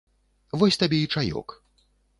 Вось табе і чаёк.